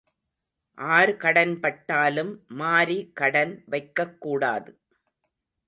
R கடன் பட்டாலும் மாரி கடன் வைக்கக் கூடாது.